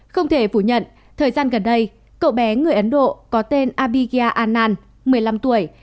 không thể phủ nhận thời gian gần đây cậu bé người ấn độ có tên abiga an một mươi năm tuổi